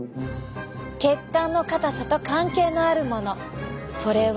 血管の硬さと関係のあるものそれは。